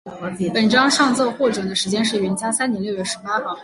本章上奏获准的时间是元嘉三年六月十八日。